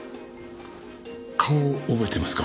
顔を覚えていますか？